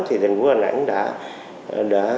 thì thành phố hà nẵng đã